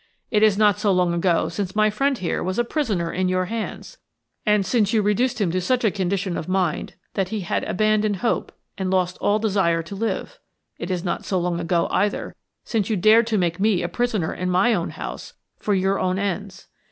It is not so long ago since my friend here was a prisoner in your hands, and since you reduced him to such a condition of mind that he had abandoned hope and lost all desire to live. It is not so long ago, either, since you dared to make me a prisoner in my own house for your own ends.